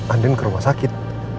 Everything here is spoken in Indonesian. andin ke rumah sakit